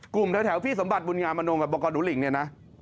กลุ่มแถวพี่สมบัติบุญงามนงแบบบอกรดุลิ่งนี่นะ